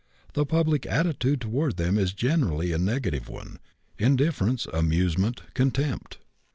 The public attitude toward them is generally a negative one indifference, amusement, contempt.